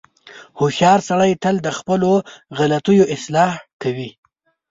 • هوښیار سړی تل د خپلو غلطیو اصلاح کوي.